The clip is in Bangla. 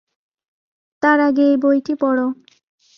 তার আগে এই বইটি পড়।